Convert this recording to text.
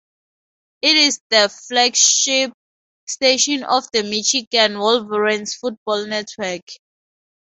It is the flagship station of the Michigan Wolverines Football Network.